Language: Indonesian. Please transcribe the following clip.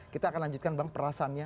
kita akan lanjutkan bang perasaannya